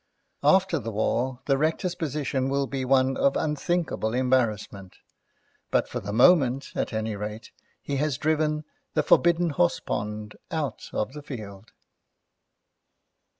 After the war the Rector's position will be one of unthinkable embarrassment, but for the moment, at any rate, he has driven The Forbidden Horsepond out of the field.